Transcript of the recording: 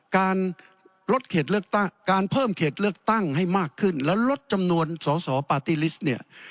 การลดเขตเลือกตั้งการเพิ่มเขตเลือกตั้งให้มากขึ้นแล้วลดจำนวนสอสอปาร์ตี้ลิสต์เนี่ย